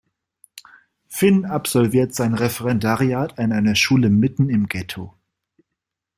Finn absolviert sein Referendariat an einer Schule mitten im Getto.